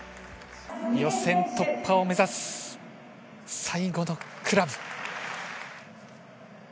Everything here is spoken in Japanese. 予選突破を目指す最後のクラブ。